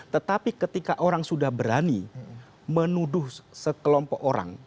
tetapi ketika orang sudah berani menuduh sekelompok orang